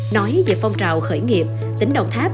nói về phong trào khởi nghiệp tỉnh đồng tháp